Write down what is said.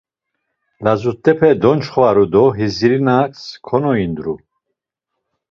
Lazut̆epe donçxvaru do Hizirinas konoindru.